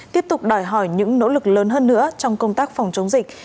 tiếp tục đòi hỏi những nỗ lực lớn hơn nữa trong công tác phòng chống dịch